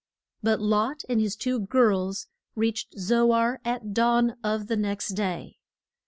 But Lot and his two girls reached Zo ar at dawn of the next day.